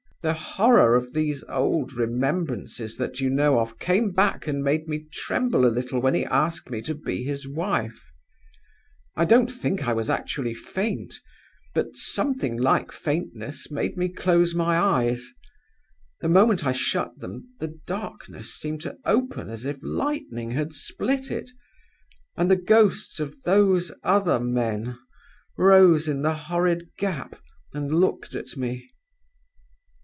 The horror of these old remembrances that you know of came back and made me tremble a little when he asked me to be his wife. I don't think I was actually faint; but something like faintness made me close my eyes. The moment I shut them, the darkness seemed to open as if lightning had split it; and the ghosts of those other men rose in the horrid gap, and looked at me.